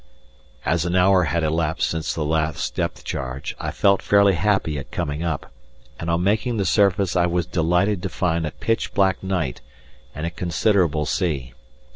] As an hour had elapsed since the last depth charge, I felt fairly happy at coming up, and on making the surface I was delighted to find a pitch black night and a considerable sea.